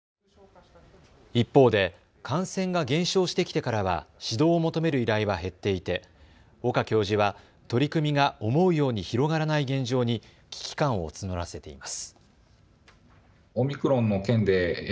一方で感染が減少してきてからは指導を求める依頼は減っていて岡教授は取り組みが思うように広がらない現状に危機感を募らせています。